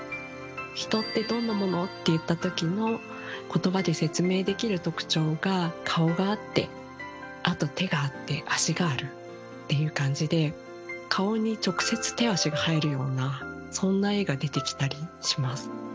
「人ってどんなもの？」って言った時のことばで説明できる特徴が顔があってあと手があって足があるっていう感じで顔に直接手足が生えるようなそんな絵が出てきたりします。